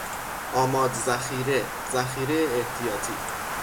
آماد ذخیره، ذخیره احتیاطی